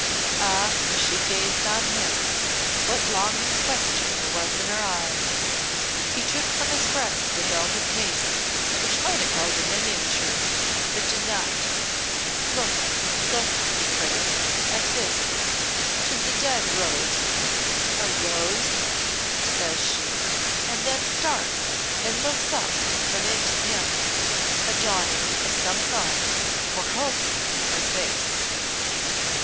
Ah, how she gazed on him, what longing question there was in her eyes! He took from his breast a velvet case which might have held a miniature, but did not. "Look look," he prayed, "at this. Tis a dead rose." "A rose!" says she, and then starts and looks up from it to him, a dawning of some thought or hope in her face.